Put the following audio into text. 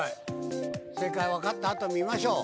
正解分かった後見ましょう。